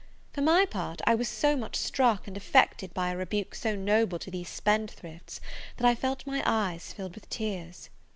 For my part, I was so much struck and affected by a rebuke so noble to these spendthrifts, that I felt my eyes filled with tears.